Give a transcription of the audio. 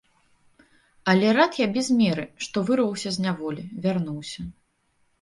Але рад я без меры, што вырваўся з няволі, вярнуўся.